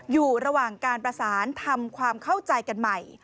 อยู่ระหว่างการประสานทำความเข้าใจกันใหม่